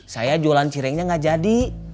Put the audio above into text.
saya jualan cirengnya gak jadi